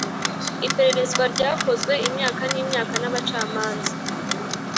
iperereza ryakozwe imyaka n'imyaka n'abacamanza